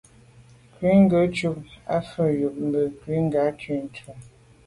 Ŋkrʉ̀n gə́ cúp à’ fə́ mbə́ á yûp cú mbɑ́ bú khǐ tà’ ŋkrʉ̀n.